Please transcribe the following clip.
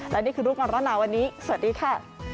และนี่คือรูปของเรานาววันนี้สวัสดีค่ะ